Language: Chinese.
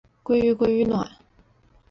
鲑鱼鲑鱼卵